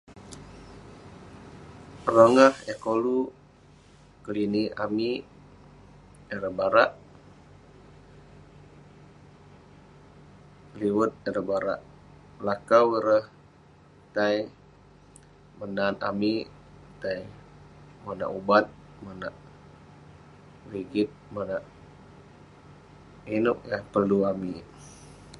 Rogah eh koluk keninek amik ireh barak liwet ireh barak lakau ireh tai menat amik tai monak ubat monak rigit monak inuek yah perlu amik